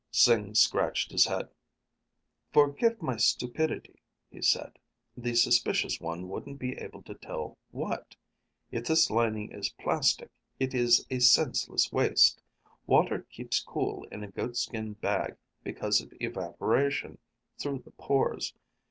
Sing scratched his head. "Forgive my stupidity," he said. "The suspicious one wouldn't be able to tell what? If this lining is plastic, it is a senseless waste. Water keeps cool in a goatskin bag because of evaporation through the pores.